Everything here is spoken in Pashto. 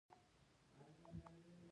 د اتوم اندازه ډېره کوچنۍ ده.